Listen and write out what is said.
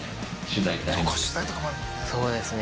そうですね